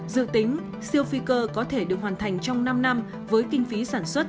dự tính siêu phi cơ có thể được hoàn thành trong năm năm với kinh phí sản xuất